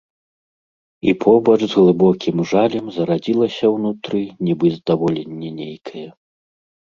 І побач з глыбокім жалем зарадзілася ўнутры нібы здаволенне нейкае.